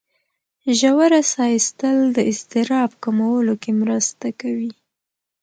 ژوره ساه ایستل د اضطراب کمولو کې مرسته کوي.